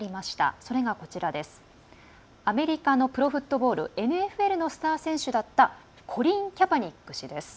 それが、アメリカのプロフットボールＮＦＬの選手だったコリン・キャパニック氏です。